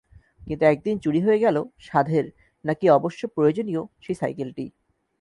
কিন্তু একদিন চুরি হয়ে গেল সাধের নাকি অবশ্য প্রয়োজনীয় সেই সাইকেলটি।